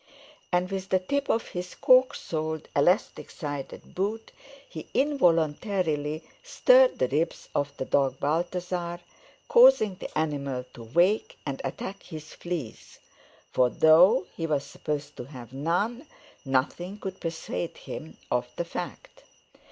And with the tip of his cork soled, elastic sided boot he involuntarily stirred the ribs of the dog Balthasar, causing the animal to wake and attack his fleas; for though he was supposed to have none, nothing could persuade him of the fact.